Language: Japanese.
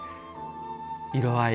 色合い